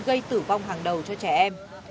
gây tử vong hàng đầu cho trẻ em